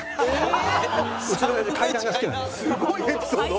すごいエピソード。